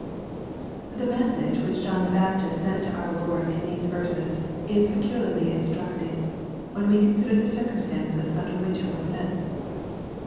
The message which John the Baptist sent to our Loi'd, in these verses, is peculiarly instructing, when we con sider the circumstances under which it was sent.